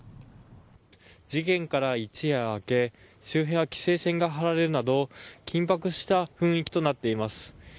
事件から一夜明け周辺は規制線が張られるなど緊迫した雰囲気となっています。